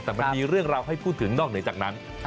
แต่มันมีเรื่องราวให้พูดถึงนอกเหนือจากนั้น